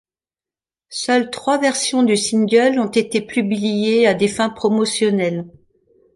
Seules trois versions du singles ont été publiées à des fins promotionnelles..